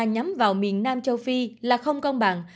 nhắm vào miền nam châu phi là không công bằng